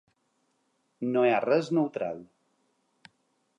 No hi ha res neutral.